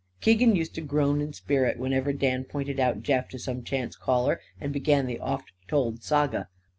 Keegan used to groan in spirit whenever Dan pointed out Jeff to some chance caller and began the oft told saga.